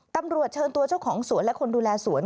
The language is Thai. ตำรวจเชิญตัวเจ้าของสวนและคนดูแลสวน